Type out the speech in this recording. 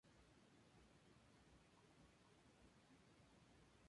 Fisher es arrestado en este sitio grave, puesto bajo custodia e interrogado.